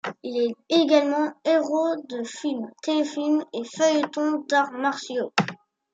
Il est également héros de films, téléfilms et feuilletons d’arts martiaux.